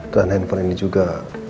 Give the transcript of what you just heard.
tuhan handphone ini juga